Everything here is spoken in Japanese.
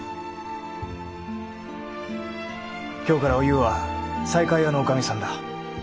今日からお夕は西海屋のおかみさんだ。